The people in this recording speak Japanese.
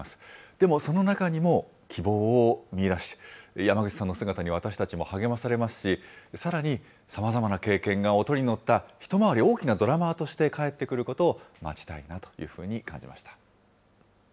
でもその中にも、希望を見いだし、山口さんの姿に私たちも励まされますし、さらにさまざまな経験が音に乗った一回り大きなドラマーとして帰ってくることを待ちたいなというふうに感じました。